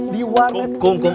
kum udah tenang kum